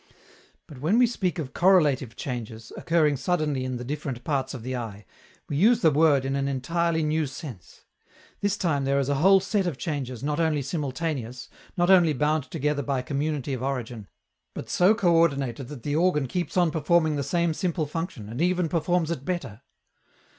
But when we speak of "correlative" changes occurring suddenly in the different parts of the eye, we use the word in an entirely new sense: this time there is a whole set of changes not only simultaneous, not only bound together by community of origin, but so coördinated that the organ keeps on performing the same simple function, and even performs it better.